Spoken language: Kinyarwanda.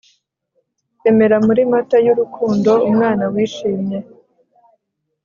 Emera muri Mata yurukundo umwana wishimye